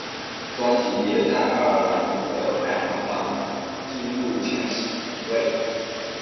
专辑也在爱尔兰的排行榜进入前十位。